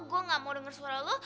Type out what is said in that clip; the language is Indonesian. gue gak mau denger suara lo